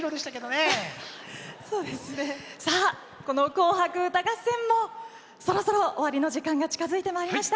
「紅白歌合戦」もそろそろ終わりの時間が近づいてきました。